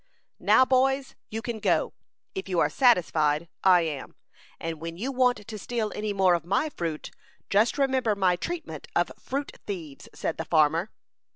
"Now, boys, you can go. If you are satisfied, I am; and when you want to steal any more of my fruit, just remember my treatment of fruit thieves," said the farmer.